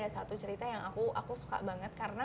tapi ada satu cerita yang aku suka banget karena